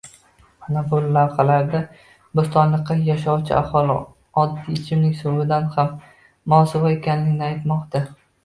Mana bu lavhalarda Bo‘stonliqda yashovchi aholi oddiy ichimlik suvidan ham mosuvo ekanligini aytmoqda.